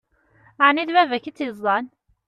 Ɛni d baba-k i tt-yeẓẓan?